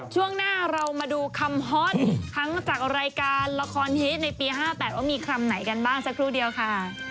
ช่วงหน้าเรามาดูคำฮอตทั้งจากรายการละครฮิตในปี๕๘ว่ามีคำไหนกันบ้างสักครู่เดียวค่ะ